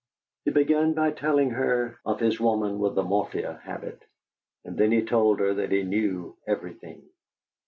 He began by telling her of his woman with the morphia habit, and then he told her that he knew everything.